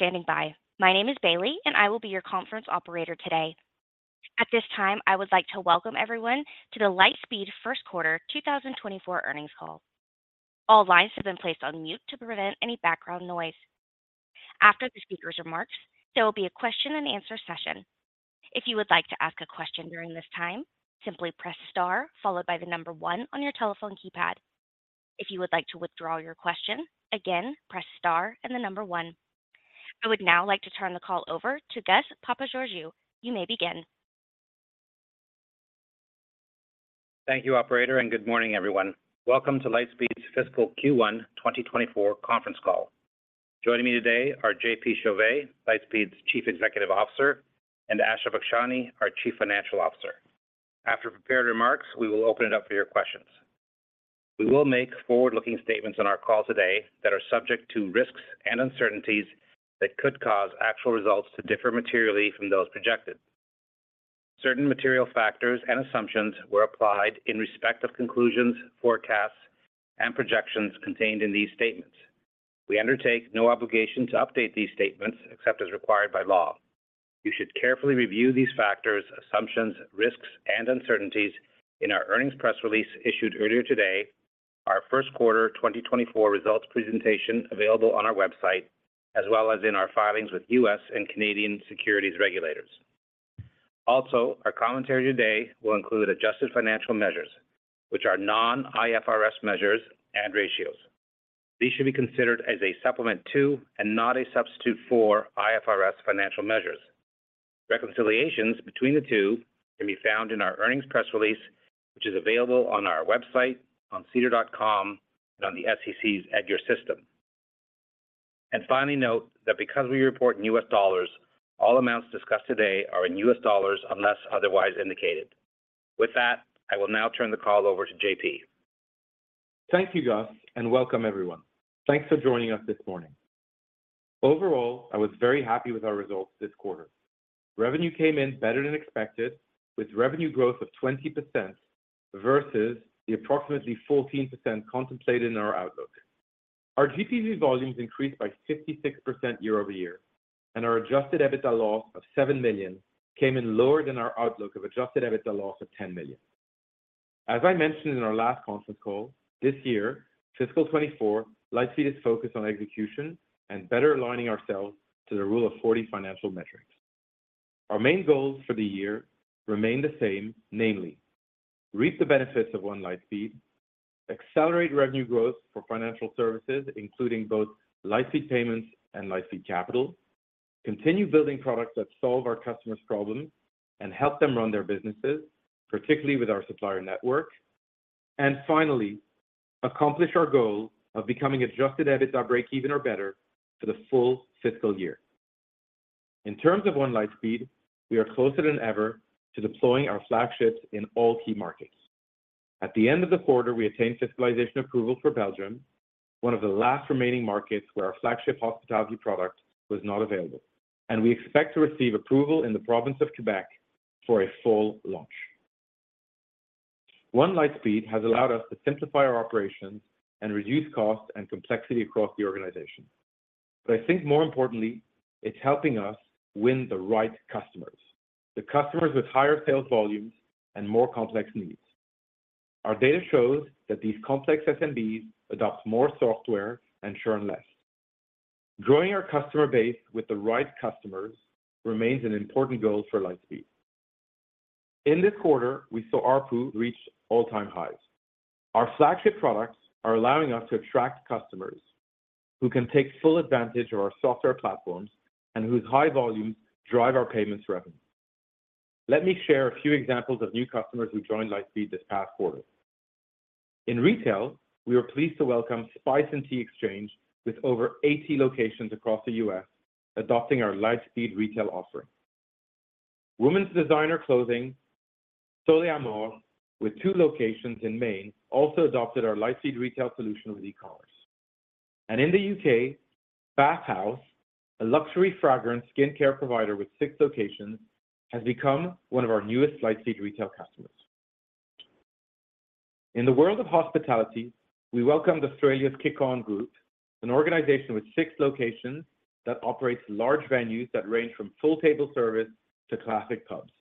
Thank you for standing by. My name is Bailey, and I will be your conference operator today. At this time, I would like to welcome everyone to the Lightspeed First Quarter 2024 Earnings Call. All lines have been placed on mute to prevent any background noise. After the speaker's remarks, there will be a question and answer session. If you would like to ask a question during this time, simply press star followed by the number one on your telephone keypad. If you would like to withdraw your question, again, press star and the number one. I would now like to turn the call over to Gus Papageorgiou. You may begin. Thank you, Operator. Good morning, everyone. Welcome to Lightspeed's Fiscal Q1 2024 Conference Call. Joining me today are JP Chauvet, Lightspeed's Chief Executive Officer, and Asha Bakshani, our Chief Financial Officer. After prepared remarks, we will open it up for your questions. We will make forward-looking statements on our call today that are subject to risks and uncertainties that could cause actual results to differ materially from those projected. Certain material factors and assumptions were applied in respect of conclusions, forecasts, and projections contained in these statements. We undertake no obligation to update these statements except as required by law. You should carefully review these factors, assumptions, risks, and uncertainties in our earnings press release issued earlier today, our first quarter results presentation available on our website, as well as in our filings with U.S. and Canadian securities regulators. Our commentary today will include adjusted financial measures, which are non-IFRS measures and ratios. These should be considered as a supplement to, and not a substitute for, IFRS financial measures. Reconciliations between the two can be found in our earnings press release, which is available on our website, on sedar.com, and on the SEC's EDGAR system. Finally, note that because we report in U.S. dollars, all amounts discussed today are in U.S. dollars, unless otherwise indicated. With that, I will now turn the call over to JP. Thank you, Gus. Welcome everyone. Thanks for joining us this morning. Overall, I was very happy with our results this quarter. Revenue came in better than expected, with revenue growth of 20% versus the approximately 14% contemplated in our outlook. Our GPV volumes increased by 56% year-over-year, and our adjusted EBITDA loss of $7 million came in lower than our outlook of adjusted EBITDA loss of $10 million. As I mentioned in our last conference call, this year, fiscal 2024, Lightspeed is focused on execution and better aligning ourselves to the Rule of 40 financial metrics. Our main goals for the year remain the same, namely: reach the benefits of One Lightspeed, accelerate revenue growth for financial services, including both Lightspeed Payments and Lightspeed Capital, continue building products that solve our customers' problems and help them run their businesses, particularly with our supplier network. Finally, accomplish our goal of becoming adjusted EBITDA break even or better for the full fiscal year. In terms of One Lightspeed, we are closer than ever to deploying our flagships in all key markets. At the end of the quarter, we attained fiscalization approval for Belgium, one of the last remaining markets where our flagship hospitality product was not available. We expect to receive approval in the province of Quebec for a full launch. One Lightspeed has allowed us to simplify our operations and reduce costs and complexity across the organization. I think more importantly, it's helping us win the right customers, the customers with higher sales volumes and more complex needs. Our data shows that these complex SMBs adopt more software and churn less. Growing our customer base with the right customers remains an important goal for Lightspeed. In this quarter, we saw ARPU reach all-time highs. Our flagship products are allowing us to attract customers who can take full advantage of our software platforms and whose high volumes drive our payments revenue. Let me share a few examples of new customers who joined Lightspeed this past quarter. In retail, we are pleased to welcome The Spice & Tea Exchange, with over 80 locations across the U.S., adopting our Lightspeed Retail offering. Women's designer clothing, Sol y Amor, with two locations in Maine, also adopted our Lightspeed Retail solution with e-commerce. In the UK, Bath House, a luxury fragrance skincare provider with six locations, has become one of our newest Lightspeed Retail customers. In the world of hospitality, we welcomed Australia's Kickon Group, an organization with six locations that operates large venues that range from full table service to classic pubs.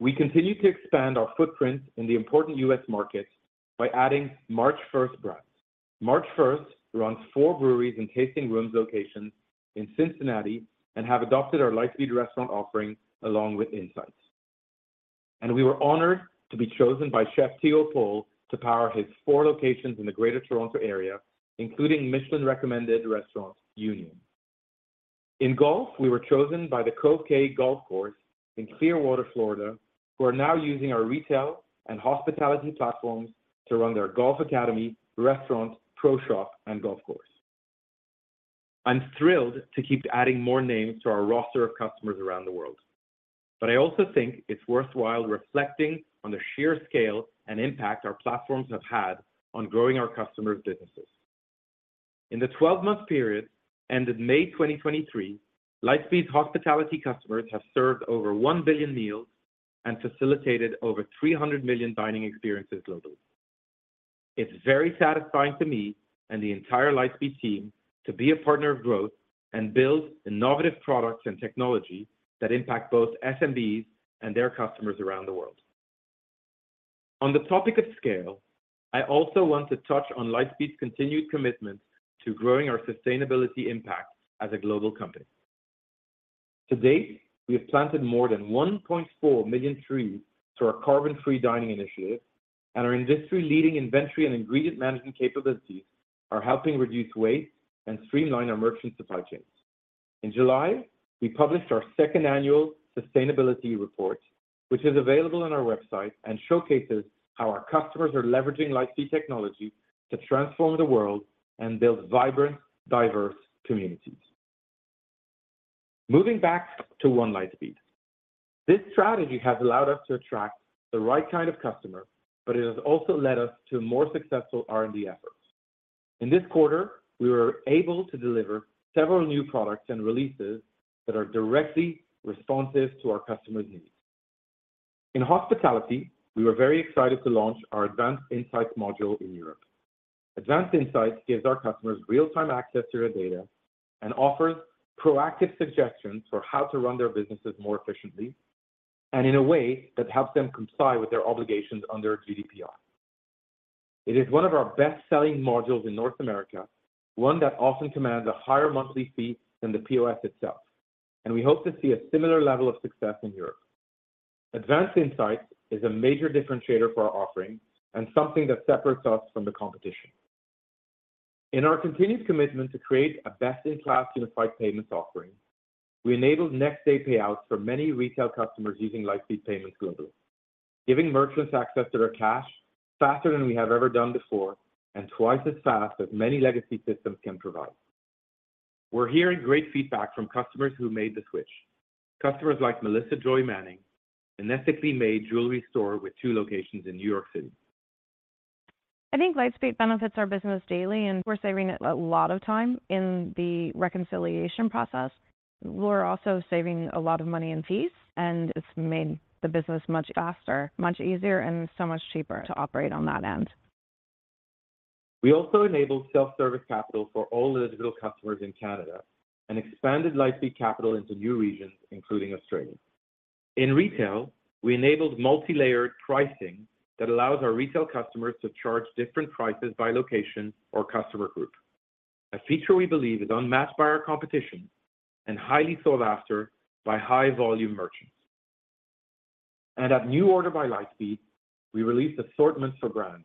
We continue to expand our footprint in the important U.S. markets by adding March First Brewing. March First runs four breweries and tasting rooms locations in Cincinnati and have adopted our Lightspeed Restaurant offering along with Insights. We were honored to be chosen by Chef Teo Paul to power his four locations in the Greater Toronto area, including Michelin-recommended restaurant, Union. In golf, we were chosen by the Cove Cay Golf Club in Clearwater, Florida, who are now using our retail and hospitality platforms to run their golf academy, restaurant, pro shop, and golf course. I'm thrilled to keep adding more names to our roster of customers around the world, but I also think it's worthwhile reflecting on the sheer scale and impact our platforms have had on growing our customers' businesses. In the 12-month period, ended May 2023, Lightspeed's hospitality customers have served over 1 billion meals and facilitated over 300 million dining experiences globally. It's very satisfying to me and the entire Lightspeed team to be a partner of growth and build innovative products and technology that impact both SMBs and their customers around the world. On the topic of scale, I also want to touch on Lightspeed's continued commitment to growing our sustainability impact as a global company. To date, we have planted more than 1.4 million trees through our Carbon Free Dining initiative, and our industry-leading inventory and ingredient management capabilities are helping reduce waste and streamline our merchant supply chains. In July, we published our second annual sustainability report, which is available on our website, and showcases how our customers are leveraging Lightspeed technology to transform the world and build vibrant, diverse communities. Moving back to One Lightspeed, this strategy has allowed us to attract the right kind of customer, but it has also led us to more successful R&D efforts. In this quarter, we were able to deliver several new products and releases that are directly responsive to our customers' needs. In hospitality, we were very excited to launch our Advanced Insights module in Europe. Advanced Insights gives our customers real-time access to their data and offers proactive suggestions for how to run their businesses more efficiently, and in a way that helps them comply with their obligations under GDPR. It is one of our best-selling modules in North America, one that often commands a higher monthly fee than the POS itself, and we hope to see a similar level of success in Europe. Advanced Insights is a major differentiator for our offering and something that separates us from the competition. In our continued commitment to create a best-in-class unified payments offering, we enabled next-day payouts for many retail customers using Lightspeed Payments globally, giving merchants access to their cash faster than we have ever done before, and twice as fast as many legacy systems can provide. We're hearing great feedback from customers who made the switch. Customers like Melissa Joy Manning, an ethically made jewelry store with 2 locations in New York City. I think Lightspeed benefits our business daily, and we're saving a lot of time in the reconciliation process. We're also saving a lot of money in fees, and it's made the business much faster, much easier, and so much cheaper to operate on that end. We also enabled self-service capital for all eligible customers in Canada and expanded Lightspeed Capital into new regions, including Australia. In retail, we enabled multilayered pricing that allows our retail customers to charge different prices by location or customer group, a feature we believe is unmatched by our competition and highly sought after by high-volume merchants. At NuORDER by Lightspeed, we released assortments for brands,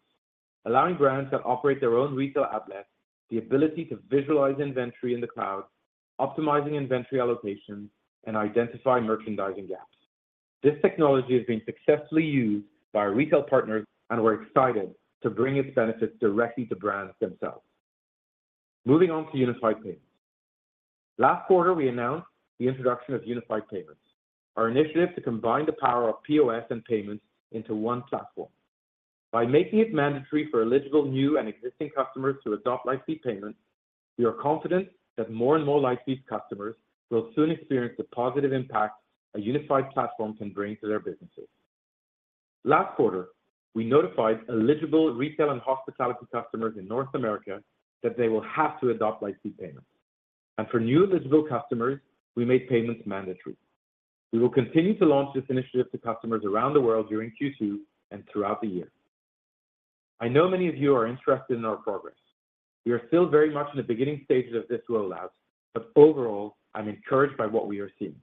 allowing brands that operate their own retail outlets the ability to visualize inventory in the cloud, optimizing inventory allocation, and identify merchandising gaps. This technology is being successfully used by our retail partners, and we're excited to bring its benefits directly to brands themselves. Moving on to Unified Payments. Last quarter, we announced the introduction of Unified Payments, our initiative to combine the power of POS and payments into one platform. By making it mandatory for eligible new and existing customers to adopt Lightspeed Payments, we are confident that more and more Lightspeed customers will soon experience the positive impact a unified platform can bring to their businesses. Last quarter, we notified eligible retail and hospitality customers in North America that they will have to adopt Lightspeed Payments. For new eligible customers, we made payments mandatory. We will continue to launch this initiative to customers around the world during Q2 and throughout the year. I know many of you are interested in our progress. We are still very much in the beginning stages of this rollout. Overall, I'm encouraged by what we are seeing.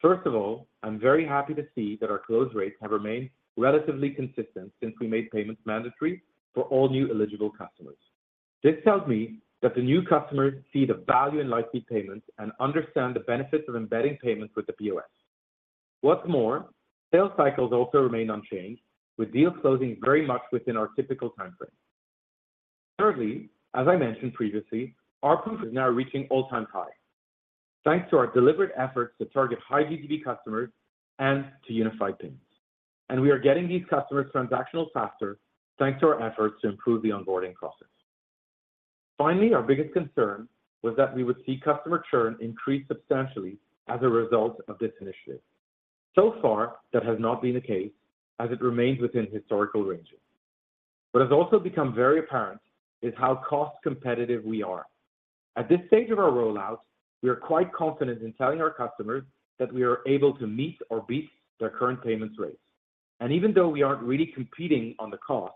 First of all, I'm very happy to see that our close rates have remained relatively consistent since we made payments mandatory for all new eligible customers. This tells me that the new customers see the value in Lightspeed Payments and understand the benefits of embedding payments with the POS. What's more, sales cycles also remain unchanged, with deals closing very much within our typical timeframe. Thirdly, as I mentioned previously, our ARPU is now reaching all-time high, thanks to our deliberate efforts to target high GTV customers and to unify payments. We are getting these customers transactional faster, thanks to our efforts to improve the onboarding process. Finally, our biggest concern was that we would see customer churn increase substantially as a result of this initiative. So far, that has not been the case, as it remains within historical ranges. What has also become very apparent is how cost competitive we are. At this stage of our rollout, we are quite confident in telling our customers that we are able to meet or beat their current payments rates. Even though we aren't really competing on the cost,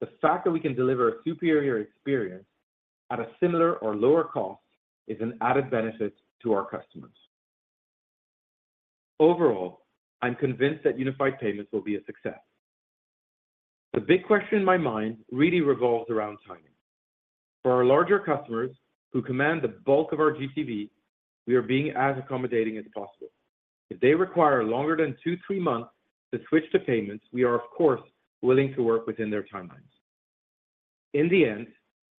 the fact that we can deliver a superior experience at a similar or lower cost is an added benefit to our customers. Overall, I'm convinced that unified payments will be a success. The big question in my mind really revolves around timing. For our larger customers who command the bulk of our GTV, we are being as accommodating as possible. If they require longer than two, three months to switch to payments, we are, of course, willing to work within their timelines. In the end,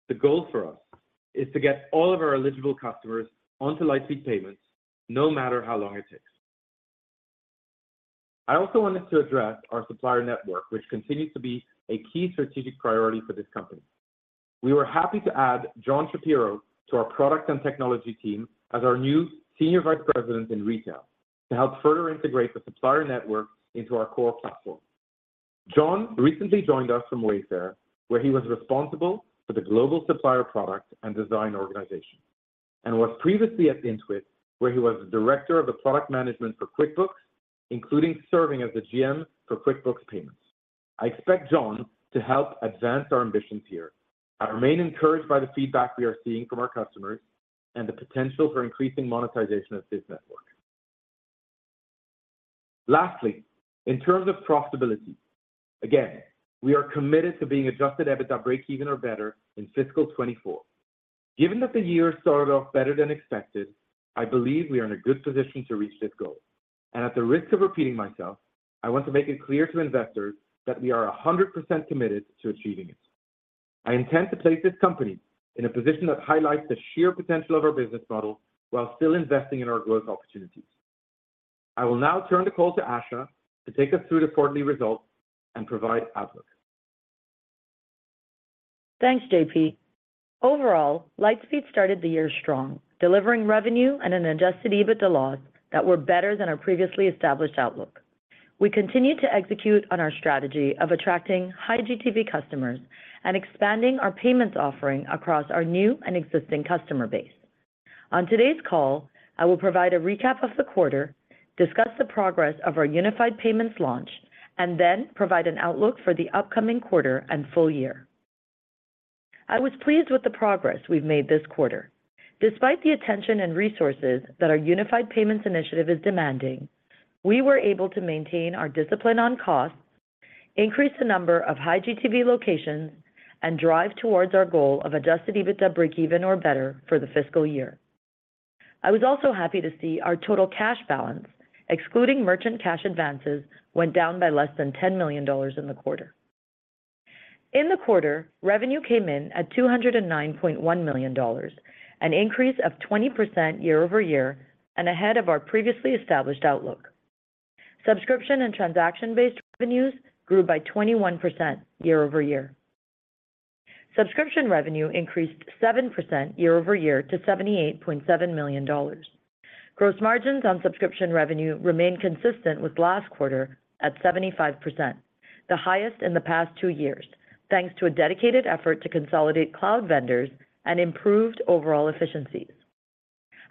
the goal for us is to get all of our eligible customers onto Lightspeed Payments, no matter how long it takes. I also wanted to address our supplier network, which continues to be a key strategic priority for this company. We were happy to add John Shapiro to our product and technology team as our new Senior Vice President in retail, to help further integrate the supplier network into our core platform. John recently joined us from Wayfair, where he was responsible for the global supplier product and design organization, and was previously at Intuit, where he was Director of the Product Management for QuickBooks, including serving as the GM for QuickBooks Payments. I expect John to help advance our ambitions here. I remain encouraged by the feedback we are seeing from our customers and the potential for increasing monetization of this network. Lastly, in terms of profitability, again, we are committed to being adjusted EBITDA breakeven or better in fiscal 2024. Given that the year started off better than expected, I believe we are in a good position to reach this goal. At the risk of repeating myself, I want to make it clear to investors that we are 100% committed to achieving it. I intend to place this company in a position that highlights the sheer potential of our business model while still investing in our growth opportunities. I will now turn the call to Asha to take us through the quarterly results and provide outlook. Thanks, J.P. Overall, Lightspeed started the year strong, delivering revenue and an adjusted EBITDA loss that were better than our previously established outlook. We continued to execute on our strategy of attracting high GTV customers and expanding our payments offering across our new and existing customer base. On today's call, I will provide a recap of the quarter, discuss the progress of our Unified Payments launch, then provide an outlook for the upcoming quarter and full year. I was pleased with the progress we've made this quarter. Despite the attention and resources that our Unified Payments initiative is demanding, we were able to maintain our discipline on costs, increase the number of high GTV locations, and drive towards our goal of adjusted EBITDA breakeven or better for the fiscal year. I was also happy to see our total cash balance, excluding merchant cash advances, went down by less than $10 million in the quarter. In the quarter, revenue came in at $209.1 million, an increase of 20% year-over-year and ahead of our previously established outlook. Subscription and transaction-based revenues grew by 21% year-over-year. Subscription revenue increased 7% year-over-year to $78.7 million. Gross margins on subscription revenue remained consistent with last quarter at 75%, the highest in the past 2 years, thanks to a dedicated effort to consolidate cloud vendors and improved overall efficiencies.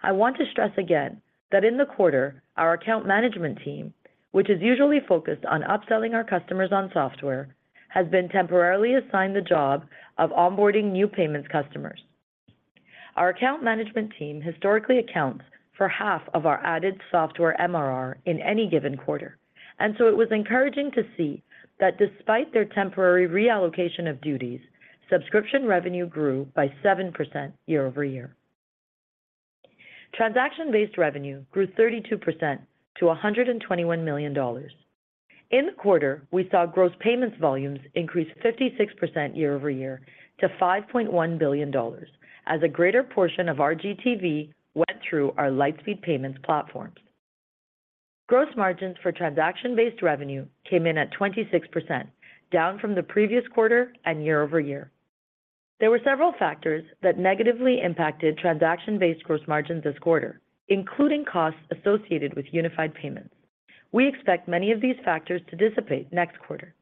I want to stress again that in the quarter, our account management team, which is usually focused on upselling our customers on software, has been temporarily assigned the job of onboarding new payments customers. Our account management team historically accounts for half of our added software MRR in any given quarter, and so it was encouraging to see that despite their temporary reallocation of duties, subscription revenue grew by 7% year-over-year. Transaction-based revenue grew 32% to $121 million. In the quarter, we saw gross payments volumes increase 56% year-over-year to $5.1 billion, as a greater portion of our GTV went through our Lightspeed Payments platforms. Gross margins for transaction-based revenue came in at 26%, down from the previous quarter and year-over-year. There were several factors that negatively impacted transaction-based gross margins this quarter, including costs associated with unified payments. We expect many of these factors to dissipate next quarter.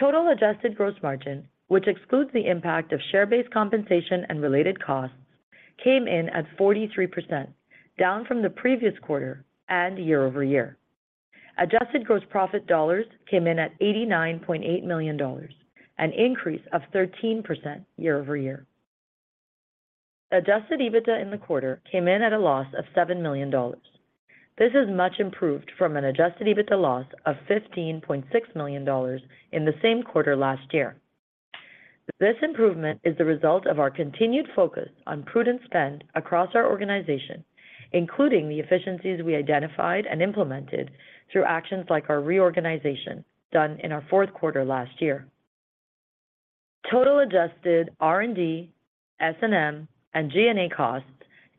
Total adjusted gross margin, which excludes the impact of share-based compensation and related costs, came in at 43%, down from the previous quarter and year-over-year. Adjusted gross profit dollars came in at $89.8 million, an increase of 13% year-over-year. Adjusted EBITDA in the quarter came in at a loss of $7 million. This is much improved from an Adjusted EBITDA loss of $15.6 million in the same quarter last year. This improvement is the result of our continued focus on prudent spend across our organization, including the efficiencies we identified and implemented through actions like our reorganization done in our fourth quarter last year. Total adjusted R&D, S&M, and G&A costs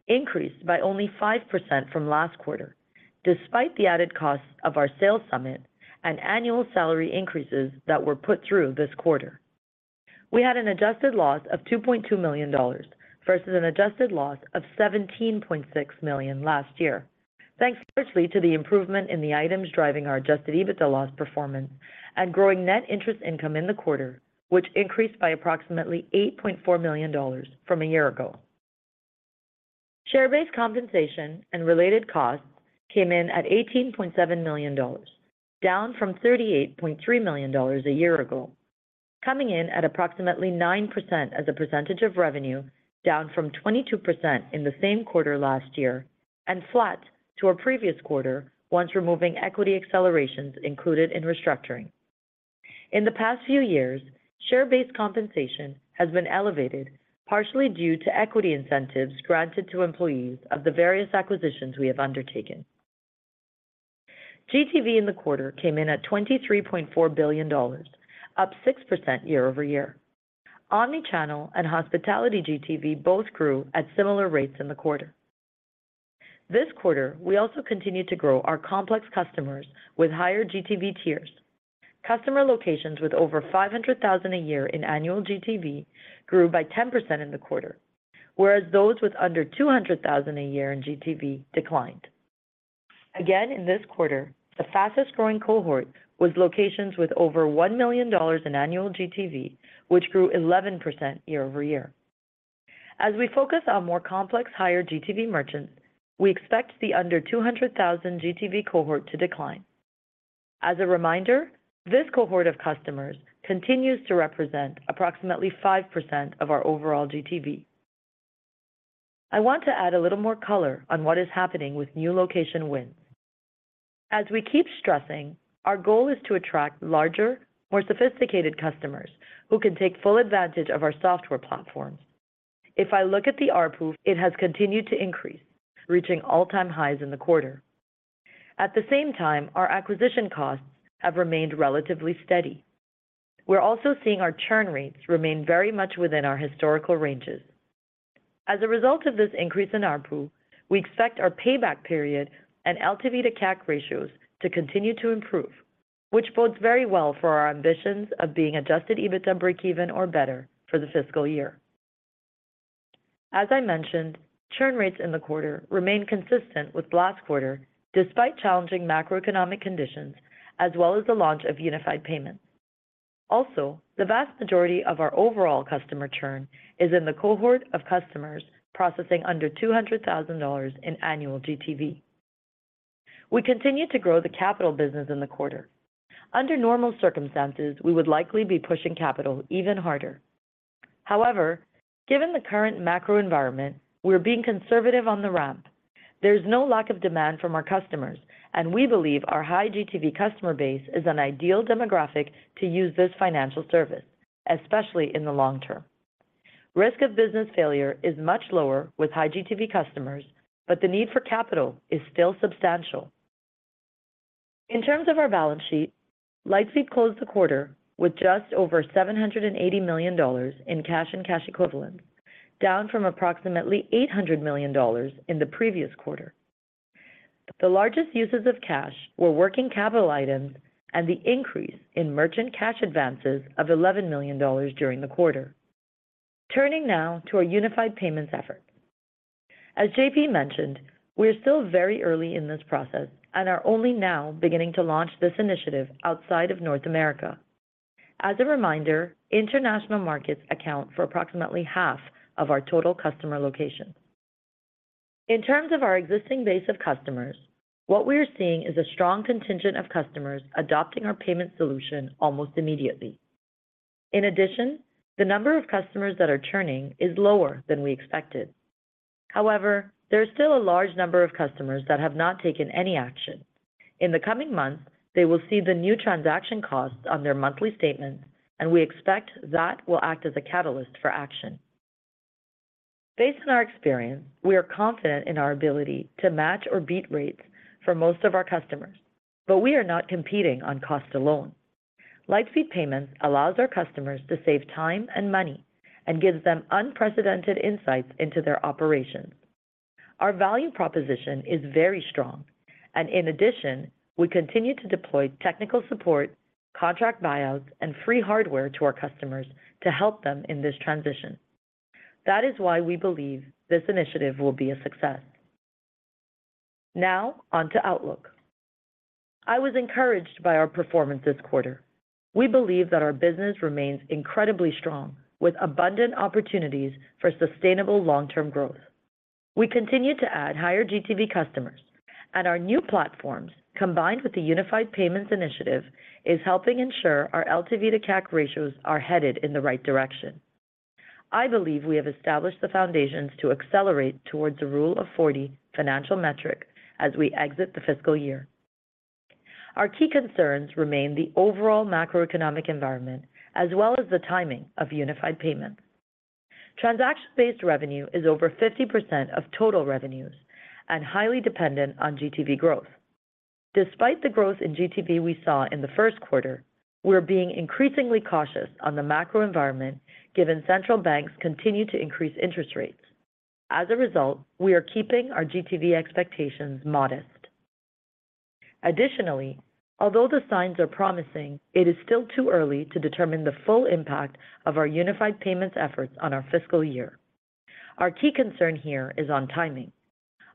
increased by only 5% from last quarter, despite the added costs of our sales summit and annual salary increases that were put through this quarter. We had an adjusted loss of $2.2 million versus an adjusted loss of $17.6 million last year, thanks largely to the improvement in the items driving our adjusted EBITDA loss performance and growing net interest income in the quarter, which increased by approximately $8.4 million from a year ago. Share-based compensation and related costs came in at $18.7 million, down from $38.3 million a year ago, coming in at approximately 9% as a percentage of revenue, down from 22% in the same quarter last year, and flat to our previous quarter, once removing equity accelerations included in restructuring. In the past few years, share-based compensation has been elevated, partially due to equity incentives granted to employees of the various acquisitions we have undertaken. GTV in the quarter came in at $23.4 billion, up 6% year-over-year. Omnichannel and hospitality GTV both grew at similar rates in the quarter. This quarter, we also continued to grow our complex customers with higher GTV tiers. Customer locations with over $500,000 a year in annual GTV grew by 10% in the quarter, whereas those with under $200,000 a year in GTV declined. In this quarter, the fastest growing cohort was locations with over $1 million in annual GTV, which grew 11% year-over-year. As we focus on more complex, higher GTV merchants, we expect the under $200,000 GTV cohort to decline. As a reminder, this cohort of customers continues to represent approximately 5% of our overall GTV. I want to add a little more color on what is happening with new location wins. As we keep stressing, our goal is to attract larger, more sophisticated customers who can take full advantage of our software platform. If I look at the ARPU, it has continued to increase, reaching all-time highs in the quarter. At the same time, our acquisition costs have remained relatively steady. We're also seeing our churn rates remain very much within our historical ranges. As a result of this increase in ARPU, we expect our payback period and LTV to CAC ratios to continue to improve, which bodes very well for our ambitions of being adjusted EBITDA breakeven or better for the fiscal year. As I mentioned, churn rates in the quarter remain consistent with last quarter, despite challenging macroeconomic conditions as well as the launch of Unified Payments. The vast majority of our overall customer churn is in the cohort of customers processing under $200,000 in annual GTV. We continued to grow the capital business in the quarter. Under normal circumstances, we would likely be pushing capital even harder. Given the current macro environment, we're being conservative on the ramp. There's no lack of demand from our customers, and we believe our high GTV customer base is an ideal demographic to use this financial service, especially in the long term. Risk of business failure is much lower with high GTV customers, but the need for capital is still substantial. In terms of our balance sheet, Lightspeed closed the quarter with just over $780 million in cash and cash equivalents, down from approximately $800 million in the previous quarter. The largest uses of cash were working capital items and the increase in merchant cash advances of $11 million during the quarter. Turning now to our Unified Payments effort. As J.P. mentioned, we are still very early in this process and are only now beginning to launch this initiative outside of North America. As a reminder, international markets account for approximately half of our total customer locations. In terms of our existing base of customers, what we are seeing is a strong contingent of customers adopting our payment solution almost immediately. In addition, the number of customers that are churning is lower than we expected. However, there's still a large number of customers that have not taken any action. In the coming months, they will see the new transaction costs on their monthly statements, and we expect that will act as a catalyst for action. Based on our experience, we are confident in our ability to match or beat rates for most of our customers, but we are not competing on cost alone. Lightspeed Payments allows our customers to save time and money and gives them unprecedented insights into their operations. Our value proposition is very strong, and in addition, we continue to deploy technical support, contract buyouts, and free hardware to our customers to help them in this transition. That is why we believe this initiative will be a success. Now on to outlook. I was encouraged by our performance this quarter. We believe that our business remains incredibly strong, with abundant opportunities for sustainable long-term growth. We continue to add higher GTV customers, and our new platforms, combined with the Unified Payments initiative, is helping ensure our LTV to CAC ratios are headed in the right direction. I believe we have established the foundations to accelerate towards a Rule of 40 financial metric as we exit the fiscal year. Our key concerns remain the overall macroeconomic environment, as well as the timing of Unified Payments. Transaction-based revenue is over 50% of total revenues and highly dependent on GTV growth. Despite the growth in GTV we saw in the first quarter, we are being increasingly cautious on the macro environment, given central banks continue to increase interest rates. As a result, we are keeping our GTV expectations modest. Additionally, although the signs are promising, it is still too early to determine the full impact of our Unified Payments efforts on our fiscal year. Our key concern here is on timing.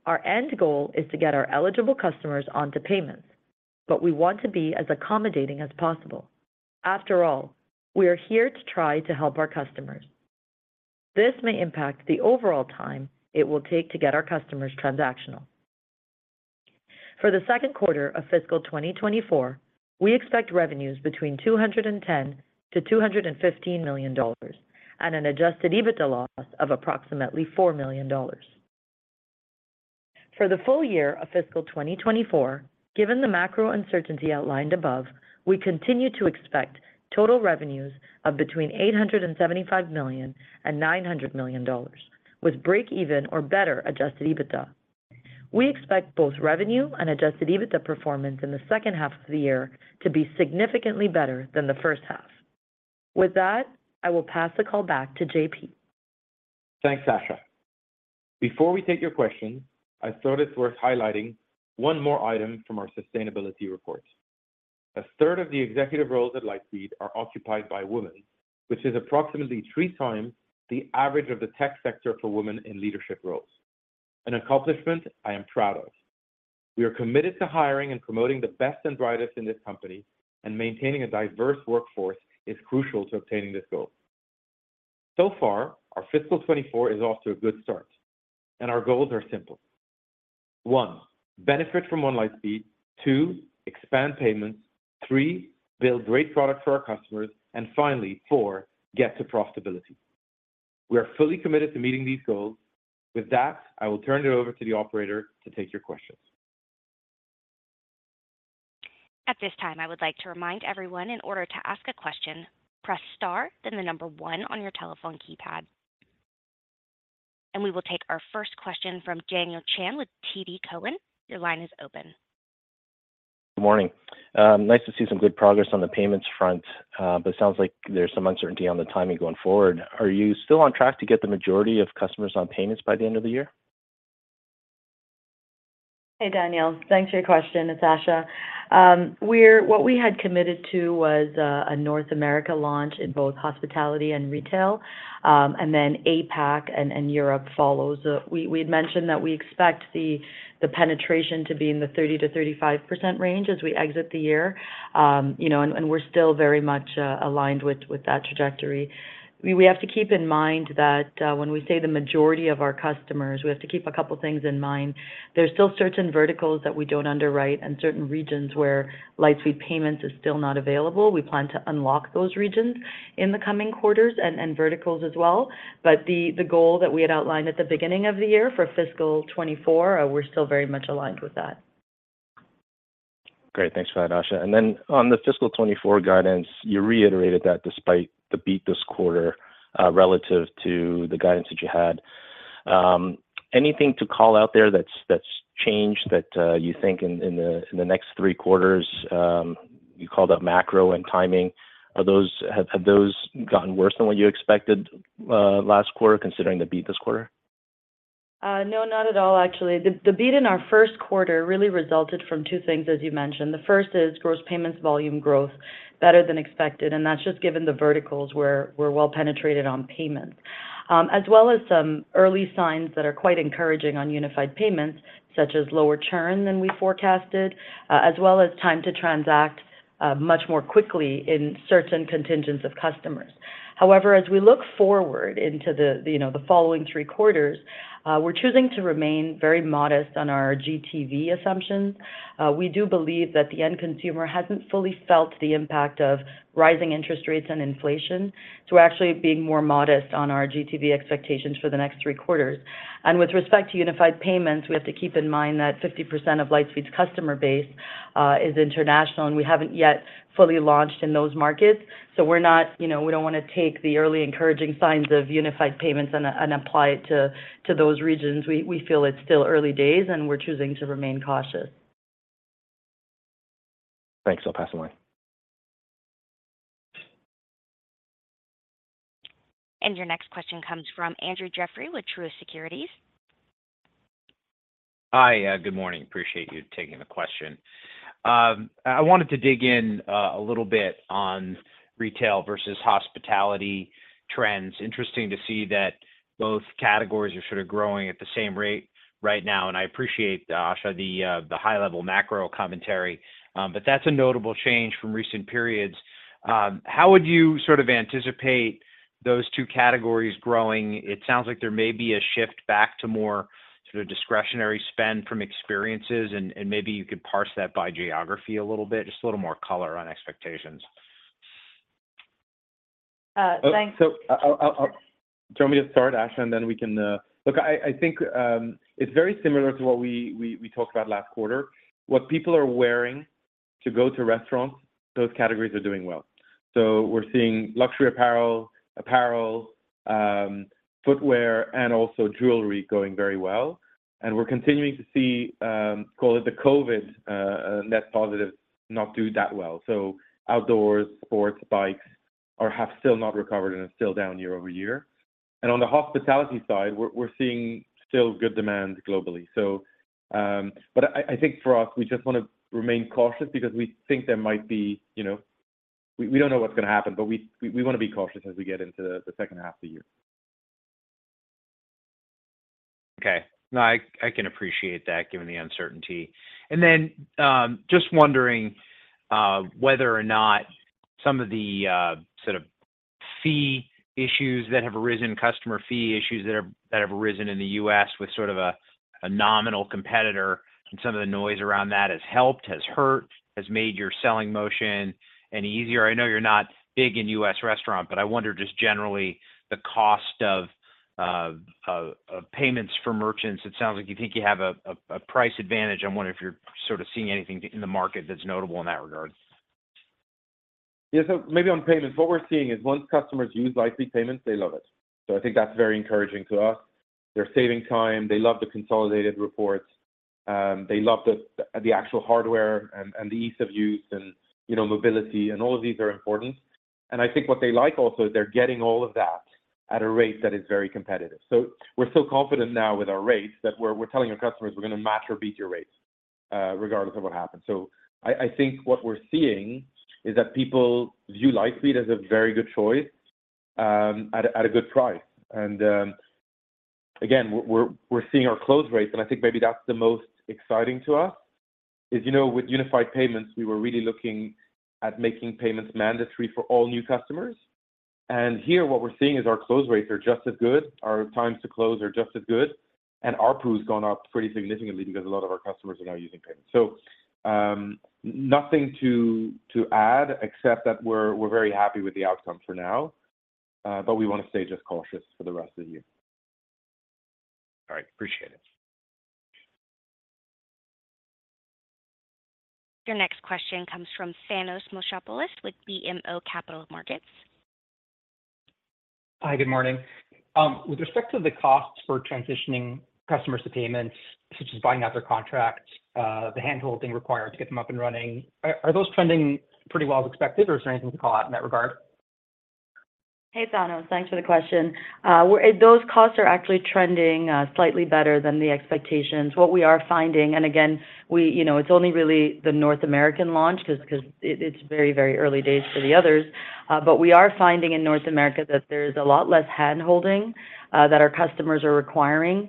Our end goal is to get our eligible customers onto payments, but we want to be as accommodating as possible. After all, we are here to try to help our customers. This may impact the overall time it will take to get our customers transactional. For the second quarter of fiscal 2024, we expect revenues between $210 million-$215 million and an adjusted EBITDA loss of approximately $4 million. For the full year of fiscal 2024, given the macro uncertainty outlined above, we continue to expect total revenues of between $875 million and $900 million, with break even or better adjusted EBITDA. We expect both revenue and adjusted EBITDA performance in the second half of the year to be significantly better than the first half. With that, I will pass the call back to JP. Thanks, Asha. Before we take your questions, I thought it's worth highlighting one more item from our sustainability report. A third of the executive roles at Lightspeed are occupied by women, which is approximately three times the average of the tech sector for women in leadership roles, an accomplishment I am proud of. We are committed to hiring and promoting the best and brightest in this company, and maintaining a diverse workforce is crucial to obtaining this goal. So far, our fiscal 2024 is off to a good start, our goals are simple: 1, benefit from One Lightspeed; 2, expand payments; 3, build great product for our customers; finally, 4, get to profitability. We are fully committed to meeting these goals. With that, I will turn it over to the operator to take your questions. At this time, I would like to remind everyone in order to ask a question, press star, then the one on your telephone keypad. We will take our first question from Daniel Chan with TD Cowen. Your line is open. Good morning. Nice to see some good progress on the payments front. Sounds like there's some uncertainty on the timing going forward. Are you still on track to get the majority of customers on payments by the end of the year? Hey, Daniel. Thanks for your question. It's Asha. What we had committed to was a North America launch in both hospitality and retail, and then APAC and Europe follows. We had mentioned that we expect the penetration to be in the 30%-35% range as we exit the year. You know, we're still very much aligned with that trajectory. We have to keep in mind that when we say the majority of our customers, we have to keep a couple things in mind. There's still certain verticals that we don't underwrite and certain regions where Lightspeed Payments is still not available. We plan to unlock those regions in the coming quarters and verticals as well. The, the goal that we had outlined at the beginning of the year for fiscal 2024, we're still very much aligned with that. Great. Thanks for that, Asha. Then on the fiscal 2024 guidance, you reiterated that despite the beat this quarter, relative to the guidance that you had. Anything to call out there that's, that's changed that, you think in, in the next three quarters, you called out macro and timing, have those gotten worse than what you expected, last quarter, considering the beat this quarter? No, not at all, actually. The, the beat in our first quarter really resulted from two things, as you mentioned. The first is gross payments volume growth, better than expected, and that's just given the verticals where we're well penetrated on payments. As well as some early signs that are quite encouraging on Unified Payments, such as lower churn than we forecasted, as well as time to transact much more quickly in certain contingents of customers. However, as we look forward into the, the, you know, the following three quarters, we're choosing to remain very modest on our GTV assumptions. We do believe that the end consumer hasn't fully felt the impact of rising interest rates and inflation, so we're actually being more modest on our GTV expectations for the next three quarters. With respect to Unified Payments, we have to keep in mind that 50% of Lightspeed's customer base is international, and we haven't yet fully launched in those markets. You know, we don't wanna take the early encouraging signs of Unified Payments and apply it to those regions. We feel it's still early days, and we're choosing to remain cautious. Thanks. I'll pass them on. Your next question comes from Andrew Jeffrey with Truist Securities. Hi. Good morning. Appreciate you taking the question. I wanted to dig in a little bit on retail versus hospitality trends. Interesting to see that both categories are sort of growing at the same rate right now, and I appreciate, Asha, the high-level macro commentary, but that's a notable change from recent periods. How would you sort of anticipate those two categories growing? It sounds like there may be a shift back to more sort of discretionary spend from experiences, and, and maybe you could parse that by geography a little bit, just a little more color on expectations. Uh, thanks- Do you want me to start, Asha, and then we can. I think it's very similar to what we talked about last quarter. What people are wearing to go to restaurants, those categories are doing well. We're seeing luxury apparel, apparel, footwear, and also jewelry going very well. We're continuing to see, call it the COVID, net positive not do that well. Outdoors, sports, bikes, are have still not recovered and are still down year-over-year. On the hospitality side, we're seeing still good demand globally. I think for us, we just wanna remain cautious because we think there might be, you know, we don't know what's gonna happen, but we wanna be cautious as we get into the second half of the year. Okay. No, I, I can appreciate that, given the uncertainty. Just wondering whether or not some of the sort of fee issues that have arisen, customer fee issues that have, that have arisen in the U.S. with sort of a nominal competitor and some of the noise around that has helped, has hurt, has made your selling motion any easier. I know you're not big in U.S. restaurant, but I wonder just generally the cost of payments for merchants. It sounds like you think you have a price advantage. I wonder if you're sort of seeing anything in the market that's notable in that regard. Maybe on payments, what we're seeing is once customers use Lightspeed Payments, they love us. I think that's very encouraging to us. They're saving time, they love the consolidated reports, they love the, the actual hardware and, and the ease of use and, you know, mobility, and all of these are important. I think what they like also, is they're getting all of that at a rate that is very competitive. We're so confident now with our rates, that we're, we're telling our customers we're gonna match or beat your rates, regardless of what happens. I, I think what we're seeing is that people view Lightspeed as a very good choice, at a, at a good price. Again, we're, we're seeing our close rates, and I think maybe that's the most exciting to us, is, you know, with Unified Payments, we were really looking at making payments mandatory for all new customers. Here, what we're seeing is our close rates are just as good, our times to close are just as good, and ARPU has gone up pretty significantly because a lot of our customers are now using payments. Nothing to, to add, except that we're, we're very happy with the outcome for now, but we wanna stay just cautious for the rest of the year. All right, appreciate it. Your next question comes from Thanos Moschopoulos, with BMO Capital Markets. Hi, good morning. With respect to the costs for transitioning customers to payments, such as buying out their contract, the hand-holding required to get them up and running, are, are those trending pretty well as expected, or is there anything to call out in that regard? Hey, Thanos, thanks for the question. Those costs are actually trending, slightly better than the expectations. What we are finding, and again, we, you know, it's only really the North American launch, just 'cause it's very, very early days for the others. But we are finding in North America that there's a lot less hand-holding, that our customers are requiring.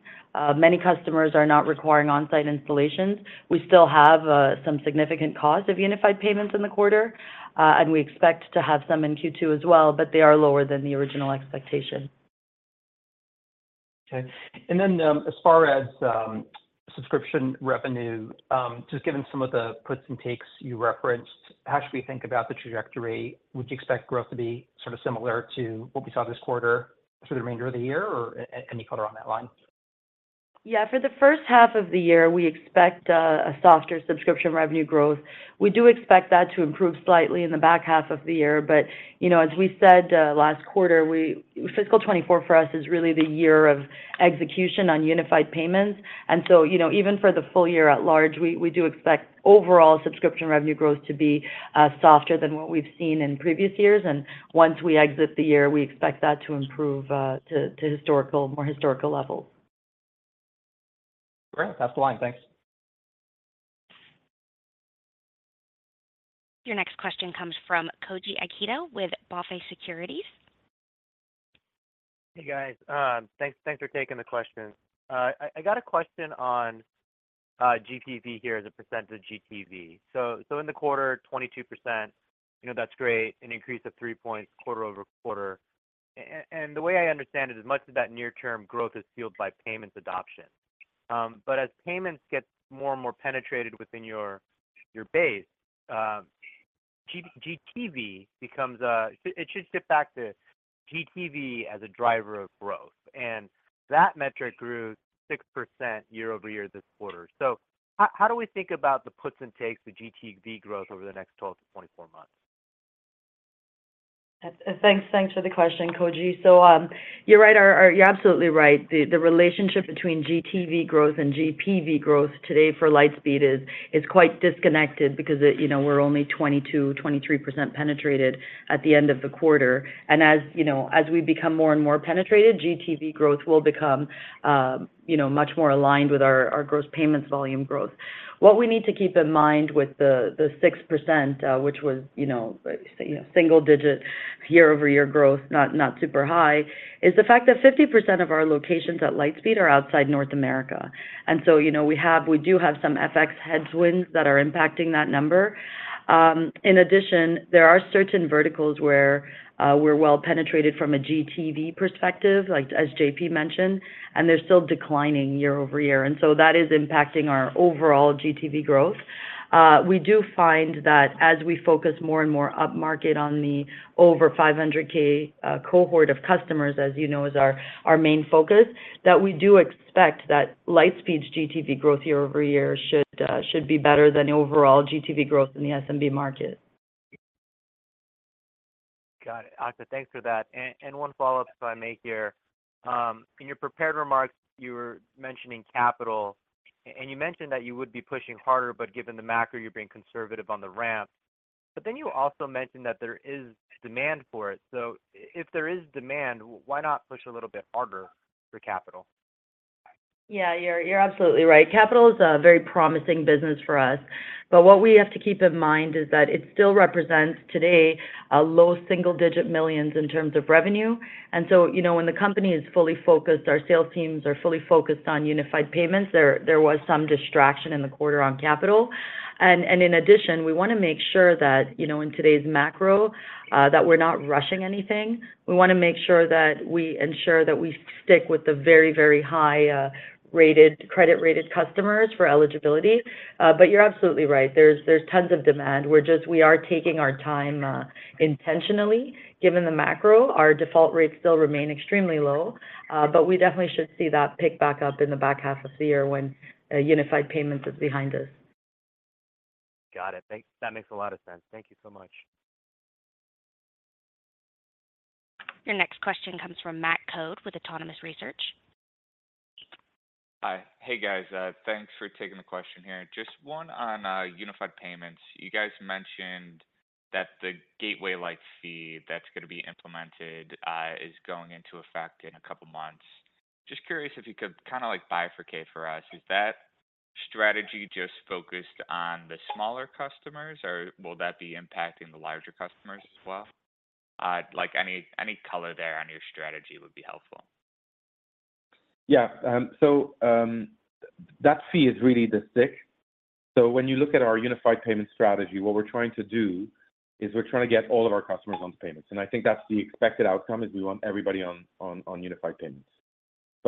Many customers are not requiring on-site installations. We still have, some significant costs of Unified Payments in the quarter, and we expect to have some in Q2 as well, but they are lower than the original expectation. Okay. Then, as far as subscription revenue, just given some of the puts and takes you referenced, how should we think about the trajectory? Would you expect growth to be sort of similar to what we saw this quarter through the remainder of the year, or any color on that line? Yeah, for the first half of the year, we expect a softer subscription revenue growth. We do expect that to improve slightly in the back half of the year, but, you know, as we said, last quarter, fiscal 2024 for us is really the year of execution on Unified Payments. So, you know, even for the full year at large, we, we do expect overall subscription revenue growth to be softer than what we've seen in previous years. Once we exit the year, we expect that to improve to, to historical, more historical levels. Great. Pass the line. Thanks. Your next question comes from Koji Ikeda with BofA Securities. Hey, guys. Thanks, thanks for taking the question. I, I got a question on GPV here as a percentage of GTV. In the quarter, 22%, you know, that's great, an increase of three points quarter-over-quarter. And the way I understand it, is much of that near term growth is fueled by payments adoption. As payments get more and more penetrated within your, your base, GTV becomes. It should get back to GTV as a driver of growth, and that metric grew 6% year-over-year this quarter. How, how do we think about the puts and takes with GTV growth over the next 12-24 months? That's- thanks, thanks for the question, Koji. You're right, or, or you're absolutely right. The, the relationship between GTV growth and GPV growth today for Lightspeed is, is quite disconnected because it, you know, we're only 22%-23% penetrated at the end of the quarter. As, you know, as we become more and more penetrated, GTV growth will become, you know, much more aligned with our, our gross payments volume growth. What we need to keep in mind with the, the 6%, which was, you know, single digit year-over-year growth, not, not super high, is the fact that 50% of our locations at Lightspeed are outside North America. So, you know, we have- we do have some FX headwinds that are impacting that number. In addition, there are certain verticals where we're well penetrated from a GTV perspective, like as JP mentioned, and they're still declining year-over-year. So that is impacting our overall GTV growth. We do find that as we focus more and more upmarket on the over 500K cohort of customers, as you know, is our, our main focus, that we do expect that Lightspeed's GTV growth year-over-year should be better than the overall GTV growth in the SMB market. Got it. Asha, thanks for that. One follow-up if I may here. In your prepared remarks, you were mentioning capital, and you mentioned that you would be pushing harder, but given the macro, you're being conservative on the ramp. Then you also mentioned that there is demand for it. If there is demand, why not push a little bit harder for capital? Yeah, you're, you're absolutely right. Capital is a very promising business for us, but what we have to keep in mind is that it still represents today, a low single digit millions in terms of revenue. You know, when the company is fully focused, our sales teams are fully focused on Unified Payments, there, there was some distraction in the quarter on capital. In addition, we wanna make sure that, you know, in today's macro, that we're not rushing anything. We wanna make sure that we ensure that we stick with the very, very high, credit rated customers for eligibility. You're absolutely right, there's, there's tons of demand. We are taking our time, intentionally, given the macro. Our default rates still remain extremely low, but we definitely should see that pick back up in the back half of the year when, Unified Payments is behind us. Got it. Thanks. That makes a lot of sense. Thank you so much. Your next question comes from Matt Coad with Autonomous Research. Hi. Hey, guys. Thanks for taking the question here. Just one on Unified Payments. You guys mentioned that the gateway, like, fee that's gonna be implemented is going into effect in a couple months. Just curious if you could kinda, like, bifurcate for us. Is that strategy just focused on the smaller customers, or will that be impacting the larger customers as well? Like, any, any color there on your strategy would be helpful. Yeah, that fee is really the stick. When you look at our unified payment strategy, what we're trying to do is we're trying to get all of our customers on payments, and I think that's the expected outcome, is we want everybody on, on, on unified payments.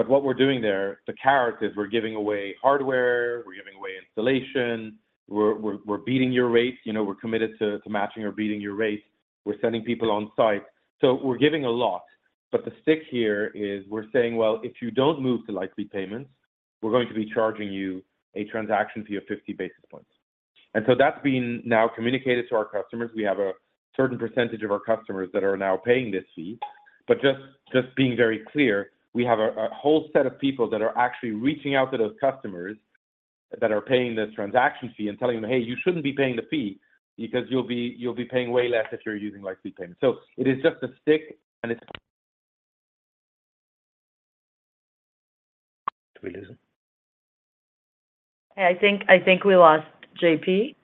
What we're doing there, the carrot, is we're giving away hardware, we're giving away installation, we're, we're, we're beating your rates. You know, we're committed to matching or beating your rates. We're sending people on site. We're giving a lot. The stick here is we're saying, "Well, if you don't move to Lightspeed Payments, we're going to be charging you a transaction fee of 50 basis points." That's been now communicated to our customers. We have a certain percentage of our customers that are now paying this fee. Just, just being very clear, we have a, a whole set of people that are actually reaching out to those customers that are paying this transaction fee and telling them, "Hey, you shouldn't be paying the fee, because you'll be, you'll be paying way less if you're using Lightspeed Payments." It is just a stick, and it's... Did we lose him? Hey, I think, I think we lost JP.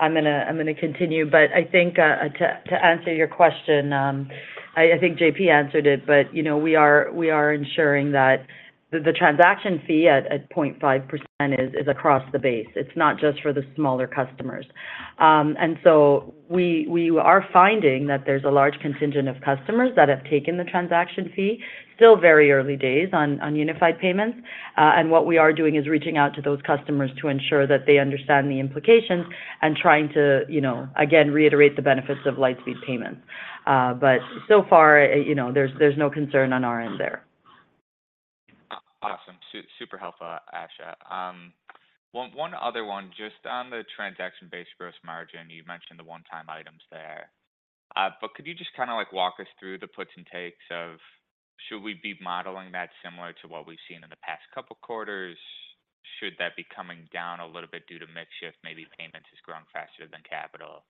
I'm gonna continue, but I think to answer your question, I think JP answered it. You know, we are ensuring that the transaction fee at 0.5% is across the base. It's not just for the smaller customers. So we are finding that there's a large contingent of customers that have taken the transaction fee. Still very early days on Unified Payments, and what we are doing is reaching out to those customers to ensure that they understand the implications and trying to, you know, again, reiterate the benefits of Lightspeed Payments. So far, you know, there's no concern on our end there. Awesome. Super helpful, Asha. One, one other one, just on the transaction-based gross margin, you mentioned the one-time items there. Could you just kinda, like, walk us through the puts and takes of should we be modeling that similar to what we've seen in the past couple quarters? Should that be coming down a little bit due to mix shift? Maybe payments is growing faster than capital.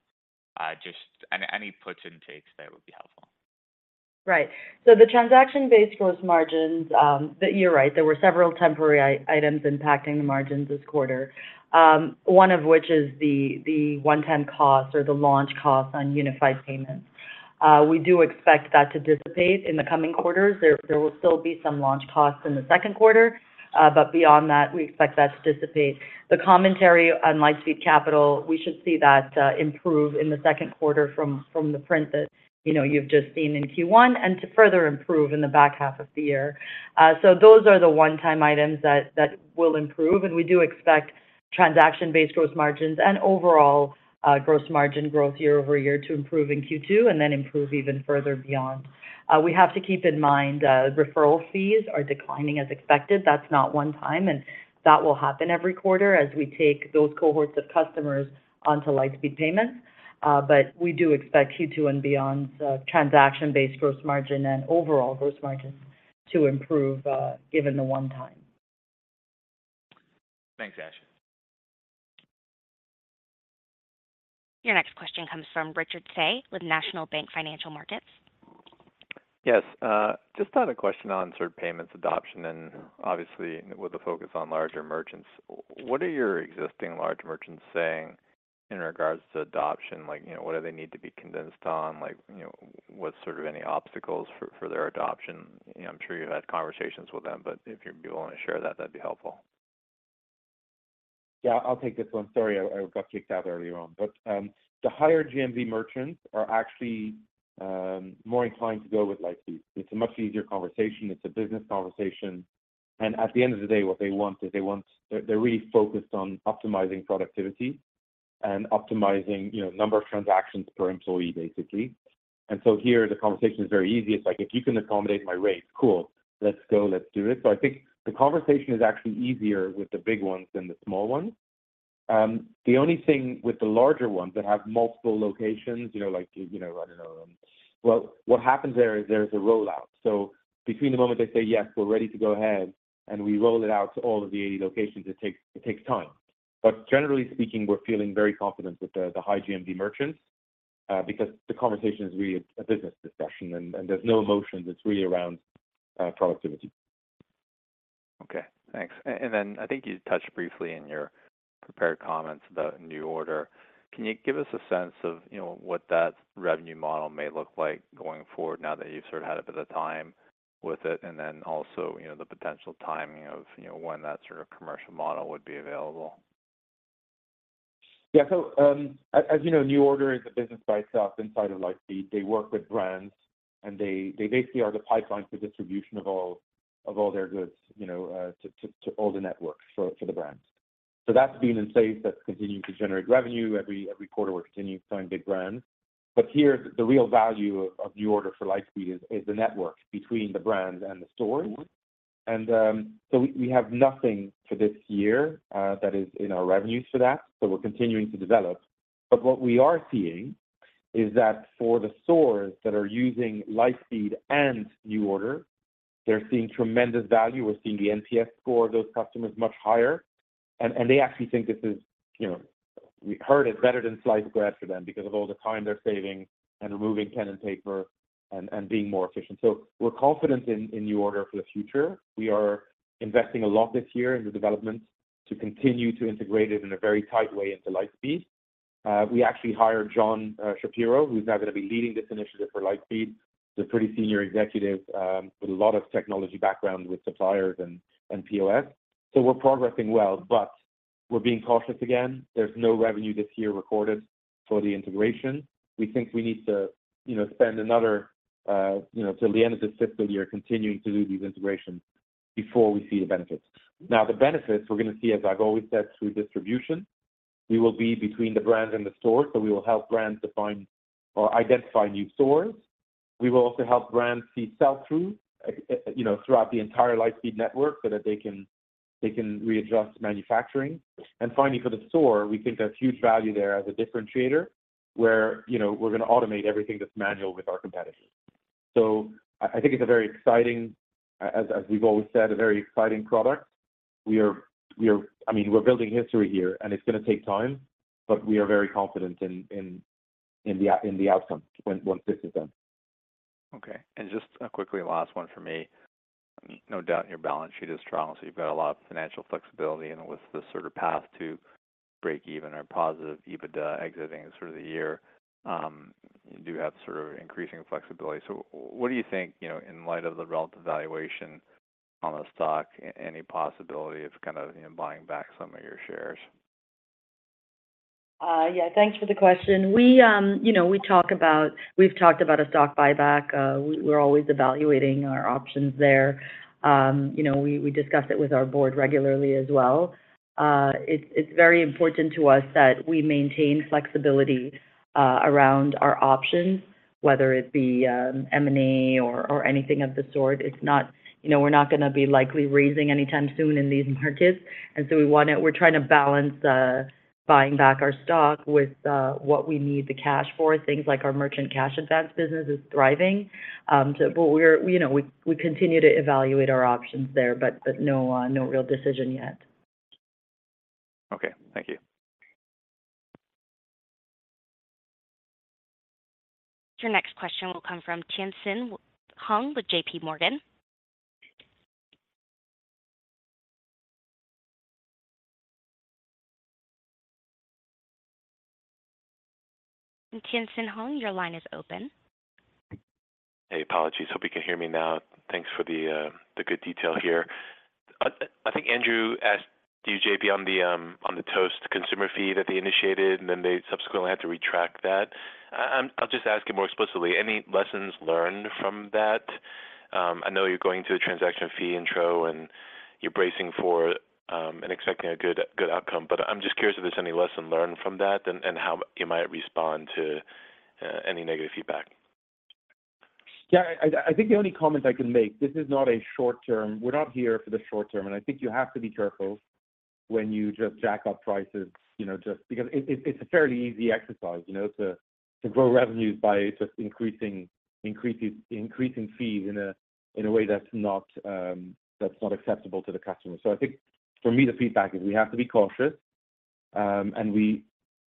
Just any, any puts and takes there would be helpful. Right. The transaction-based gross margins. You're right. There were several temporary items impacting the margins this quarter, one of which is the one-time costs or the launch costs on Unified Payments. We do expect that to dissipate in the coming quarters. There will still be some launch costs in the second quarter, but beyond that, we expect that to dissipate. The commentary on Lightspeed Capital, we should see that improve in the second quarter from the print that, you know, you've just seen in Q1, and to further improve in the back half of the year. Those are the one-time items that will improve, and we do expect transaction-based gross margins and overall gross margin growth year-over-year to improve in Q2, and then improve even further beyond. We have to keep in mind, referral fees are declining as expected. That's not one time, and that will happen every quarter as we take those cohorts of customers onto Lightspeed Payments. We do expect Q2 and beyond's, transaction-based gross margin and overall gross margin to improve, given the one time. Thanks, Asha. Your next question comes from Richard Tse with National Bank Financial Markets. Yes, just had a question on certain payments adoption and obviously with the focus on larger merchants. What are your existing large merchants saying in regards to adoption? Like, you know, what do they need to be condensed on? Like, you know, what's sort of any obstacles for their adoption? I'm sure you've had conversations with them, but if you'd be willing to share that, that'd be helpful. Yeah, I'll take this one. Sorry, I, I got kicked out earlier on. The higher GMV merchants are actually more inclined to go with Lightspeed. It's a much easier conversation. It's a business conversation, at the end of the day, what they want is they want... They're, they're really focused on optimizing productivity and optimizing, you know, number of transactions per employee, basically. Here the conversation is very easy. It's like: If you can accommodate my rates, cool. Let's go. Let's do it. I think the conversation is actually easier with the big ones than the small ones. The only thing with the larger ones that have multiple locations, you know, like, you know, I don't know. Well, what happens there is there's a rollout. Between the moment they say, "Yes, we're ready to go ahead," and we roll it out to all of the 80 locations, it takes, it takes time. Generally speaking, we're feeling very confident with the, the high GMV merchants, because the conversation is really a business discussion, and, and there's no emotions. It's really around productivity. Okay, thanks. I think you touched briefly in your prepared comments about NuORDER. Can you give us a sense of, you know, what that revenue model may look like going forward now that you've sort of had a bit of time with it? Then also, you know, the potential timing of, you know, when that sort of commercial model would be available. Yeah. as you know, NuORDER is a business by itself inside of Lightspeed. They work with brands, and they, they basically are the pipeline for distribution of all, of all their goods, you know, to, to, to all the networks for, for the brands. That's been in place. That's continuing to generate revenue. Every, every quarter, we're continuing to sign big brands. Here, the real value of, of NuORDER for Lightspeed is, is the network between the brands and the stores. We, we have nothing for this year, that is in our revenues for that, so we're continuing to develop. What we are seeing is that for the stores that are using Lightspeed and NuORDER, they're seeing tremendous value. We're seeing the NPS score of those customers much higher, and they actually think this is, you know, we heard it's better than sliced bread for them because of all the time they're saving and removing pen and paper and being more efficient. We're confident in NuORDER for the future. We are investing a lot this year in the development to continue to integrate it in a very tight way into Lightspeed. We actually hired John Shapiro, who's now gonna be leading this initiative for Lightspeed. He's a pretty senior executive with a lot of technology background with suppliers and POS. We're progressing well, but we're being cautious again. There's no revenue this year recorded for the integration. We think we need to, you know, spend another, you know, till the end of this fiscal year, continuing to do these integrations before we see the benefits. Now, the benefits we're gonna see, as I've always said, through distribution. We will be between the brand and the store, so we will help brands to find or identify new stores. We will also help brands see sell-through, you know, throughout the entire Lightspeed network so that they can, they can readjust manufacturing. Finally, for the store, we think there's huge value there as a differentiator, where, you know, we're gonna automate everything that's manual with our competitors. I, I think it's a very exciting, as, as we've always said, a very exciting product. We are... I mean, we're building history here, and it's gonna take time, but we are very confident in the outcome once this is done. Okay. Just a quickly last one for me. No doubt, your balance sheet is strong, so you've got a lot of financial flexibility, and with this sort of path to break even or positive EBITDA exiting sort of the year, you do have sort of increasing flexibility. What do you think, you know, in light of the relative valuation on the stock, any possibility of kind of, you know, buying back some of your shares? Yeah, thanks for the question. We, you know, we talk about, we've talked about a stock buyback. We're always evaluating our options there. You know, we, we discuss it with our board regularly as well. It's, it's very important to us that we maintain flexibility around our options, whether it be M&A or anything of the sort. It's not. You know, we're not gonna be likely raising anytime soon in these markets, and so we're trying to balance buying back our stock with what we need the cash for. Things like our merchant cash advance business is thriving. So but we're, you know, we, we continue to evaluate our options there, but, but no, no real decision yet. Okay, thank you. Your next question will come from Jay Hyunseung Hong with JP Morgan. Jay Hyunseung Hong, your line is open. Hey, apologies. Hope you can hear me now. Thanks for the, the good detail here. I think Andrew asked you, JP, on the, on the Toast consumer fee that they initiated, and then they subsequently had to retract that. I'll just ask you more explicitly, any lessons learned from that? I know you're going through a transaction fee intro, and you're bracing for, and expecting a good, good outcome, but I'm just curious if there's any lesson learned from that and, and how you might respond to, any negative feedback. Yeah, I, I, I think the only comment I can make. This is not a short term. We're not here for the short term, and I think you have to be careful when you just jack up prices, you know, just because it, it, it's a fairly easy exercise, you know, to, to grow revenues by just increasing, increasing, increasing fees in a, in a way that's not acceptable to the customer. I think for me, the feedback is we have to be cautious, and we,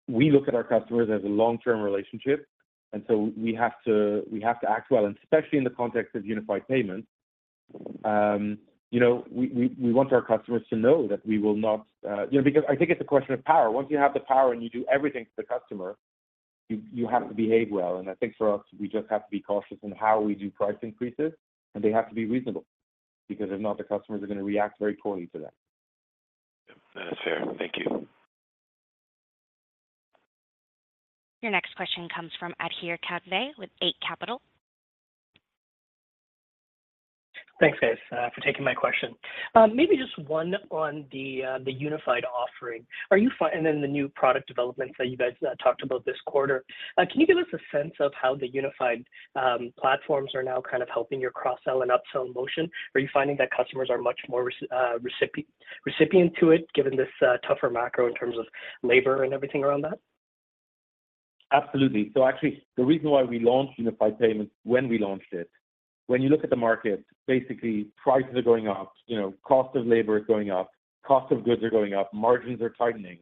we look at our customers as a long-term relationship, and so we have to, we have to act well, and especially in the context of Unified Payments. You know, we, we, we want our customers to know that we will not... You know, because I think it's a question of power. Once you have the power and you do everything for the customer, you, you have to behave well, and I think for us, we just have to be cautious in how we do price increases, and they have to be reasonable because if not, the customers are going to react very poorly to that. That's fair. Thank you. Your next question comes from Adhir Kadve with Eight Capital. Thanks, guys, for taking my question. Maybe just one on the unified offering. The new product developments that you guys talked about this quarter. Can you give us a sense of how the unified platforms are now kind of helping your cross-sell and up-sell motion? Are you finding that customers are much more recipient to it, given this tougher macro in terms of labor and everything around that? Absolutely. Actually, the reason why we launched Unified Payments when we launched it, when you look at the market, basically prices are going up, you know, cost of labor is going up, cost of goods are going up, margins are tightening,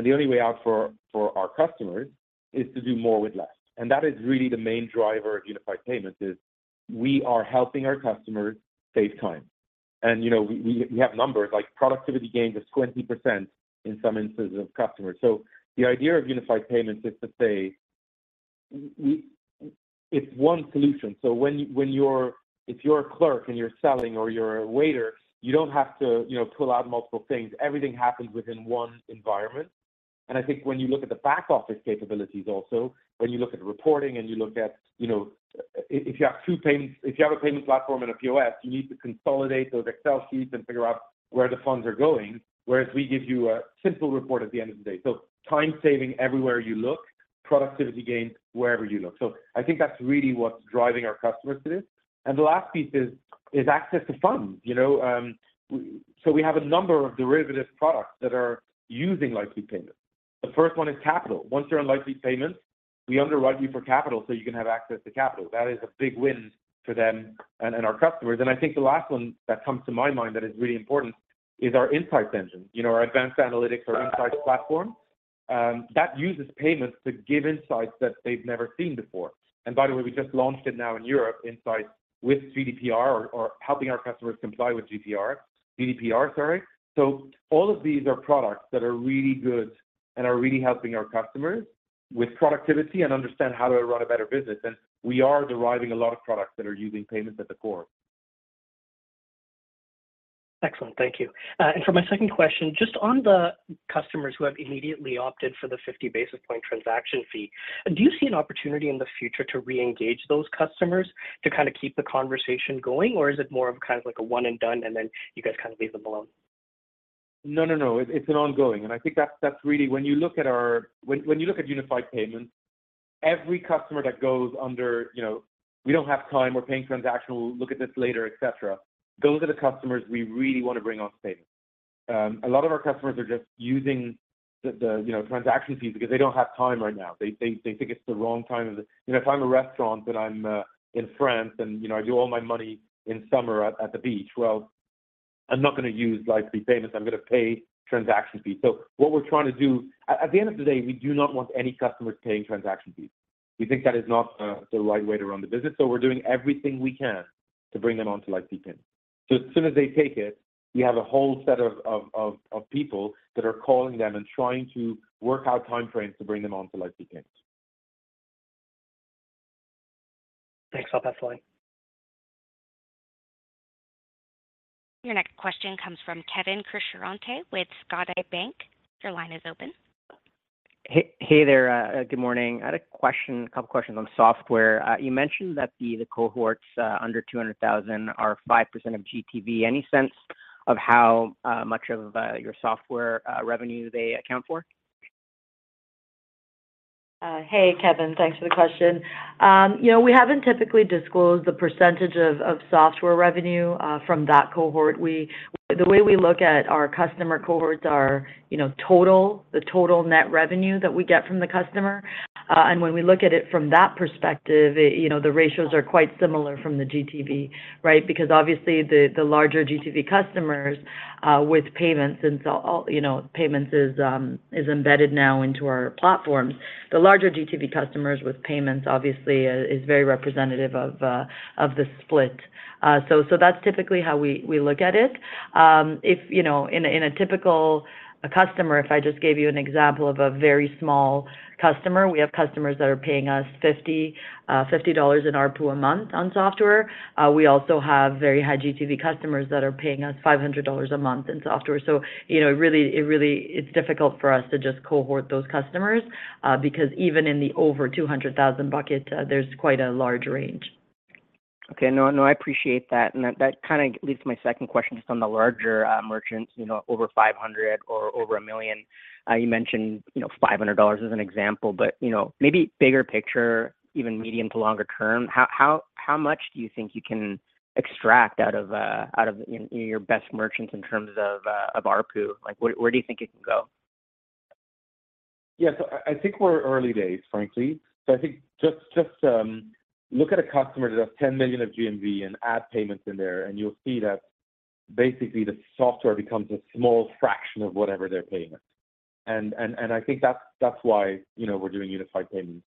the only way out for, for our customers is to do more with less, that is really the main driver of Unified Payments, is we are helping our customers save time. You know, we, we, we have numbers, like productivity gains of 20% in some instances of customers. The idea of Unified Payments is to say, it's one solution. If you're a clerk and you're selling or you're a waiter, you don't have to, you know, pull out multiple things. Everything happens within one environment. I think when you look at the back-office capabilities also, when you look at reporting and you look at, you know. If you have two payments, if you have a payment platform and a POS, you need to consolidate those Excel sheets and figure out where the funds are going, whereas we give you a simple report at the end of the day. Time saving everywhere you look. Productivity gains wherever you look. I think that's really what's driving our customers to this. The last piece is access to funds, you know? We have a number of derivative products that are using Lightspeed Payments. The first one is capital. Once you're on Lightspeed Payments, we underwrite you for capital, so you can have access to capital. That is a big win for them and our customers. I think the last one that comes to my mind that is really important is our insights engine. You know, our advanced analytics, our Insights platform, that uses payments to give insights that they've never seen before. By the way, we just launched it now in Europe, Insights, with GDPR or helping our customers comply with GDPR, sorry. All of these are products that are really good and are really helping our customers with productivity and understand how to run a better business, and we are deriving a lot of products that are using payments at the core. Excellent. Thank you. For my second question, just on the customers who have immediately opted for the 50 basis point transaction fee, do you see an opportunity in the future to reengage those customers to kind of keep the conversation going? Or is it more of kind of like a one and done, and then you guys kind of leave them alone? No, no, no, it's an ongoing. I think that's really when you look at our-- when you look at Unified Payments, every customer that goes under, you know, "We don't have time, we're paying transactional, we'll look at this later," et cetera, those are the customers we really want to bring on to payments. A lot of our customers are just using the, you know, transaction fees because they don't have time right now. They, they, they think it's the wrong time of the... You know, if I'm a restaurant and I'm in France and, you know, I do all my money in summer at the beach, well, I'm not gonna use Lightspeed Payments. I'm gonna pay transaction fees. What we're trying to do-- at the end of the day, we do not want any customers paying transaction fees. We think that is not the right way to run the business, so we're doing everything we can to bring them on to Lightspeed Payments. As soon as they take it, we have a whole set of people that are calling them and trying to work out time frames to bring them on to Lightspeed Payments. Thanks a lot, absolutely. Your next question comes from Kevin Krishnaratne with Scotiabank. Your line is open. Hey, hey there, good morning. I had a question, a couple questions on software. You mentioned that the cohorts, under $200,000 are 5% of GTV. Any sense of how much of your software revenue they account for? Hey, Kevin, thanks for the question. You know, we haven't typically disclosed the percentage of software revenue from that cohort. The way we look at our customer cohorts are, you know, the total net revenue that we get from the customer. When we look at it from that perspective, it, you know, the ratios are quite similar from the GTV, right? Obviously, the larger GTV customers with payments, since all, you know, payments is embedded now into our platforms, the larger GTV customers with payments obviously is very representative of the split. That's typically how we look at it. If, you know, in a, in a typical customer, if I just gave you an example of a very small customer, we have customers that are paying us $50 in ARPU a month on software. We also have very high GTV customers that are paying us $500 a month in software. So, you know, it really, it really, it's difficult for us to just cohort those customers, because even in the over 200,000 bucket, there's quite a large range. Okay. No, no, I appreciate that, and that, that kind of leads to my second question just on the larger merchants, you know, over $500 or over $1 million. You mentioned, you know, $500 as an example, but, you know, maybe bigger picture, even medium to longer term, how, how, how much do you think you can extract out of out of your, your best merchants in terms of of ARPU? Like, where, where do you think it can go? Yeah, I, I think we're early days, frankly. I think just, just look at a customer that has $10 million of GMV and add payments in there, and you'll see that basically the software becomes a small fraction of whatever they're paying. I think that's, that's why, you know, we're doing Unified Payments.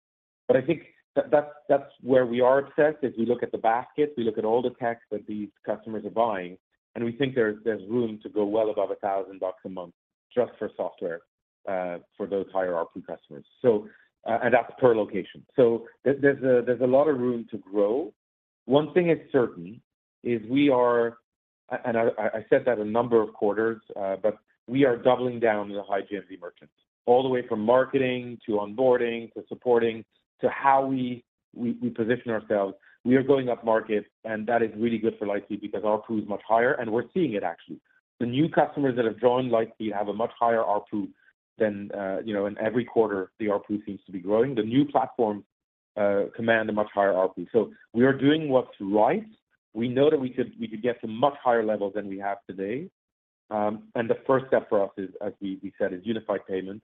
I think that, that's, that's where we are obsessed. If we look at the basket, we look at all the tech that these customers are buying, and we think there's, there's room to go well above $1,000 a month just for software, for those higher ARPU customers. And that's per location. There, there's a, there's a lot of room to grow. One thing is certain, is we are... I, I, I said that a number of quarters, but we are doubling down the high GMV merchants, all the way from marketing to onboarding, to supporting, to how we, we, we position ourselves. We are going upmarket, that is really good for Lightspeed because ARPU is much higher, and we're seeing it actually. The new customers that have joined Lightspeed have a much higher ARPU than, you know, and every quarter, the ARPU seems to be growing. The new platforms command a much higher ARPU. We are doing what's right. We know that we could, we could get to much higher levels than we have today. The first step for us is, as we, we said, is Unified Payments,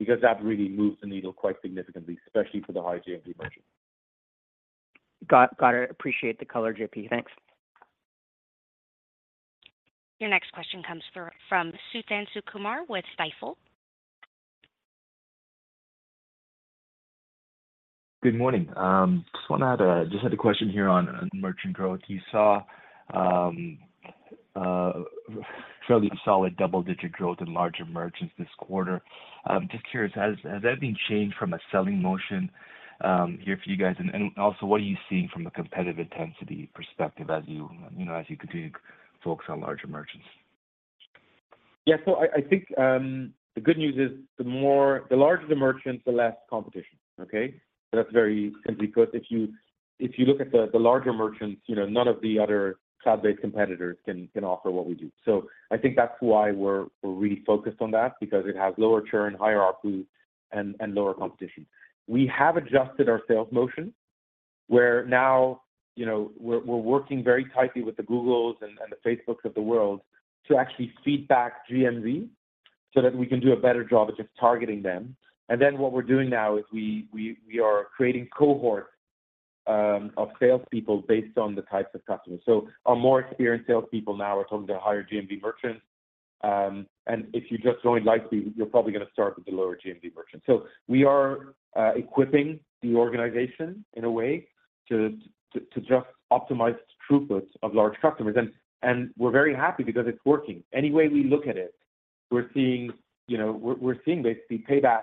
because that really moves the needle quite significantly, especially for the high GMV merchant. Got it. Appreciate the color, JP. Thanks. Your next question comes from Suthan Sukumar with Stifel. Good morning. Just had a question here on merchant growth. You saw fairly solid double-digit growth in larger merchants this quarter. Just curious, has that been changed from a selling motion here for you guys? Also, what are you seeing from a competitive intensity perspective as you, you know, as you continue to focus on larger merchants? Yeah, I, I think, the good news is the more, the larger the merchants, the less competition, okay? That's very simply because if you look at the, the larger merchants, you know, none of the other cloud-based competitors can, can offer what we do. I think that's why we're, we're really focused on that, because it has lower churn, higher ARPU, and, and lower competition. We have adjusted our sales motion, where now, you know, we're, we're working very tightly with the Googles and, and the Facebooks of the world to actually feed back GMV, so that we can do a better job of just targeting them. What we're doing now is we, we, we are creating cohorts of salespeople based on the types of customers. Our more experienced salespeople now are talking to higher GMV merchants. If you just joined Lightspeed, you're probably gonna start with the lower GMV merchants. We are equipping the organization in a way to just optimize throughput of large customers. We're very happy because it's working. Any way we look at it, we're seeing, you know, we're, we're seeing basically payback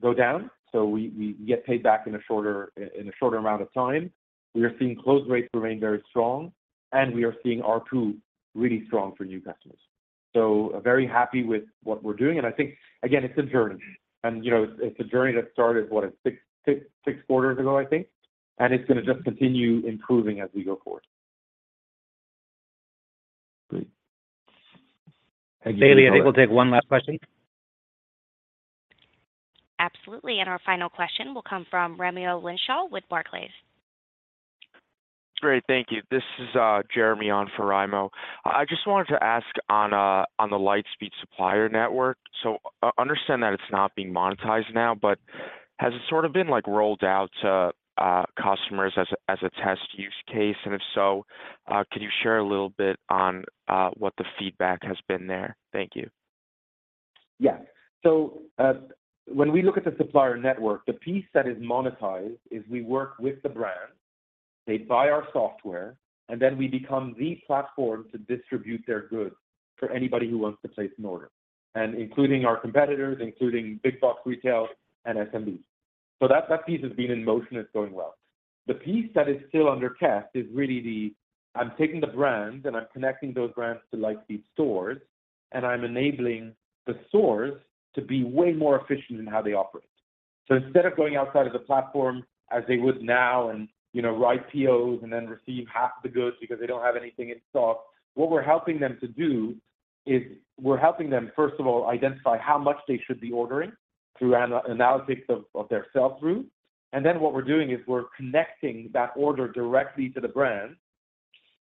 go down, so we, we get paid back in a shorter, in a shorter amount of time. We are seeing close rates remain very strong, and we are seeing ARPU really strong for new customers. Very happy with what we're doing, and I think, again, it's a journey. You know, it's a journey that started, what, 6 quarters ago, I think, and it's gonna just continue improving as we go forward. Great. Thank you- Bailey, are you able to take one last question? Absolutely. Our final question will come from Raimo Lenschow with Barclays. Great, thank you. This is Jeremy on for Raimo. I, I just wanted to ask on on the Lightspeed supplier network. Understand that it's not being monetized now, but has it sort of been, like, rolled out to customers as a, as a test use case? If so, can you share a little bit on what the feedback has been there? Thank you. Yeah. When we look at the supplier network, the piece that is monetized is we work with the brand, they buy our software, and then we become the platform to distribute their goods for anybody who wants to place an order, and including our competitors, including big box retail and SMBs. That, that piece has been in motion, it's going well. The piece that is still under test is really the, I'm taking the brands, and I'm connecting those brands to Lightspeed stores, and I'm enabling the stores to be way more efficient in how they operate. Instead of going outside of the platform, as they would now, and, you know, write POs and then receive half the goods because they don't have anything in stock, what we're helping them to do is we're helping them, first of all, identify how much they should be ordering through analysis of their sell-through. What we're doing is we're connecting that order directly to the brand,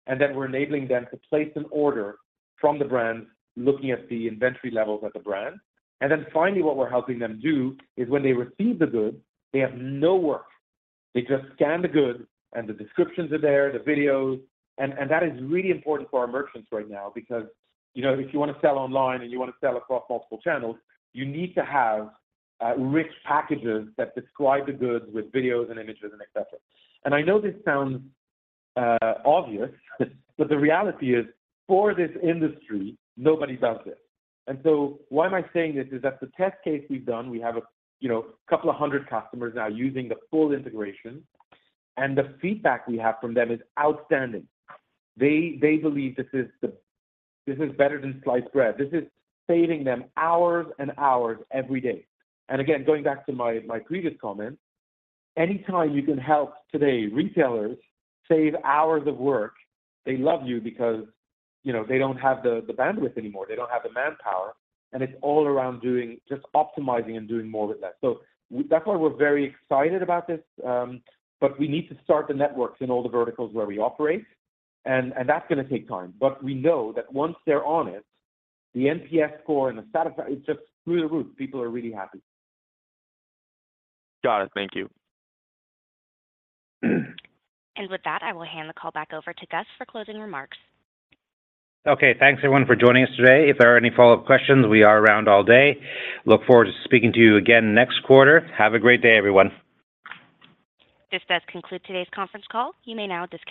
and then we're enabling them to place an order from the brand, looking at the inventory levels at the brand. Finally, what we're helping them do is when they receive the goods, they have no work. They just scan the goods, and the descriptions are there, the videos, and that is really important for our merchants right now. You know, if you wanna sell online, and you wanna sell across multiple channels, you need to have rich packages that describe the goods with videos and images and et cetera. I know this sounds obvious, but the reality is, for this industry, nobody does this. Why am I saying this? Is that the test case we've done, we have a, you know, couple of hundred customers now using the full integration, and the feedback we have from them is outstanding. They believe this is better than sliced bread. This is saving them hours and hours every day. Again, going back to my previous comment, any time you can help today retailers save hours of work, they love you because, you know, they don't have the bandwidth anymore. They don't have the manpower, and it's all around optimizing and doing more with less. That's why we're very excited about this, but we need to start the networks in all the verticals where we operate, and that's gonna take time. We know that once they're on it, the NPS score and the it's just through the roof. People are really happy. Got it. Thank you. With that, I will hand the call back over to Gus for closing remarks. Okay, thanks, everyone, for joining us today. If there are any follow-up questions, we are around all day. Look forward to speaking to you again next quarter. Have a great day, everyone. This does conclude today's conference call. You may now disconnect.